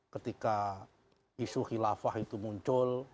ketika isu khilafah itu muncul